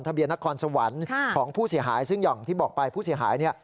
เบียนนครสวรรค์ของผู้เสียหายซึ่งอย่างที่บอกไปผู้เสียหายเนี่ย